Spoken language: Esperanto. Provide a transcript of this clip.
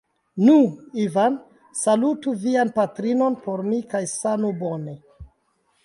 Nu Ivan; salutu vian patrinon por mi kaj sanu bone.